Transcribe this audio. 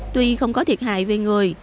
tuy không có thiệt hại về người